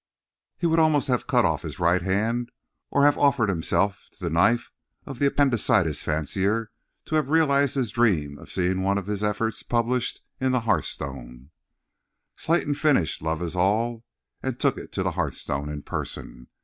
He would almost have cut off his right hand, or have offered himself to the knife of the appendicitis fancier to have realized his dream of seeing one of his efforts published in the Hearthstone. Slayton finished "Love Is All," and took it to the Hearthstone in person.